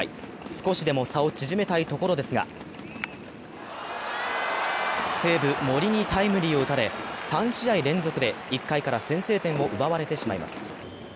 少しでも差を縮めたいところですが、西武・森にタイムリーを打たれ、３試合連続で１回から先制点を奪われてしまいます。